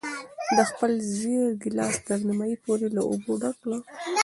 ده خپل زېړ ګیلاس تر نیمايي پورې له اوبو ډک کړ.